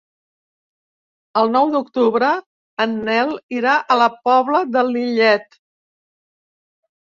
El nou d'octubre en Nel irà a la Pobla de Lillet.